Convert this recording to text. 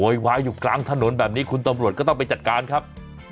วายอยู่กลางถนนแบบนี้คุณตำรวจก็ต้องไปจัดการครับ